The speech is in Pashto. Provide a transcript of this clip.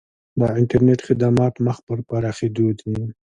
د انټرنیټ خدمات مخ په پراخیدو دي